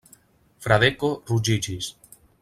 Fradeko ruĝiĝis.